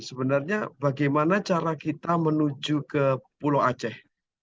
sebenarnya bagaimana cara kita menuju ke pulau aceh